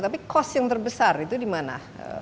tapi cost yang terbesar itu di mana